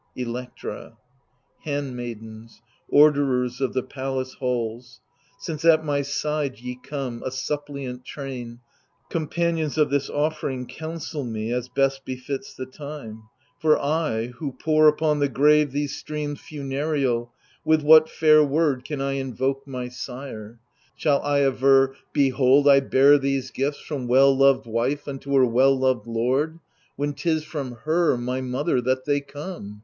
Electra Handmaidens, orderers of the palace halls, Since at my side ye come, a suppliant train, Companions of this offering, counsel me As best befits the time : for I, who pour Upon the grave these streams funereal, With what fair word can I invoke my sire ? THE LIBATION BEARERS 85 Shall I aver, Behold^ I bear these gifts From well loved wife unto her well loved lord^ When 'tis from her, my mother, that they come